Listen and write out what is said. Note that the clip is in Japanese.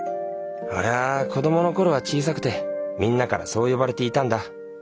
俺は子どもの頃は小さくてみんなからそう呼ばれていたんだ。